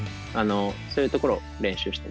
そういうところを練習してます。